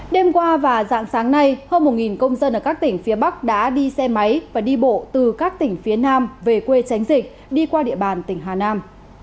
đêm qua và dạng sáng nay hơn một công dân ở các tỉnh phía bắc đã đi xe máy và đi bộ từ các tỉnh phía nam về quê tránh dịch đi qua địa bàn tỉnh hà nam